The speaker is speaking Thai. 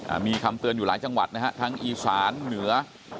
มีคำเตือนอยู่หลายจังหวัดนะฮะทั้งอีสานเหนือ